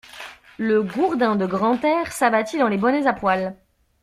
Le gourdin de Grantaire s'abattit dans les bonnets à poil.